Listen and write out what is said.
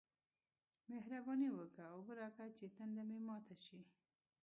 مهرباني وکه! اوبه راکه چې تنده مې ماته شي